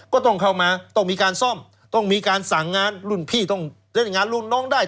ก็ต้องเข้ามาต้องมีการซ่อมต้องมีการสั่งงานรุ่นพี่ต้องเล่นงานรุ่นน้องได้